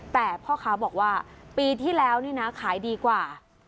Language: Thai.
แต่พ่อค้าบอกว่าปีที่แล้วนี่นะขายดีกว่า